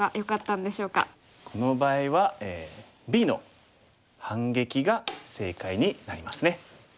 この場合はＢの反撃が正解になりますね。